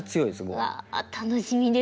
うわ楽しみですね。